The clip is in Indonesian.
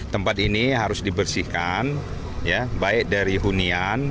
tempat ini harus dibersihkan baik dari hunian